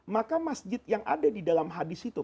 maka masjid yang ada di dalam hadis itu